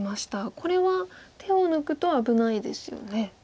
これは手を抜くと危ないですよね。